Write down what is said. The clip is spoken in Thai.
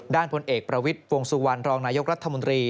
พลเอกประวิทย์วงสุวรรณรองนายกรัฐมนตรี